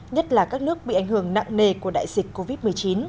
nhất là các nước bị ảnh hưởng nặng nề của đại dịch covid một mươi chín